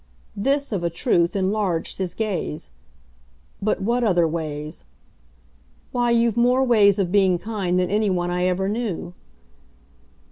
This, of a truth, enlarged his gaze. "But what other ways?" "Why, you've more ways of being kind than anyone I ever knew."